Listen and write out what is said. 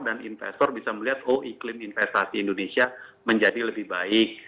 dan investor bisa melihat oh iklim investasi indonesia menjadi lebih baik